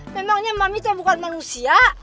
memangnya mami itu bukan manusia